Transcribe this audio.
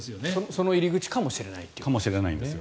その入り口かもしれないと。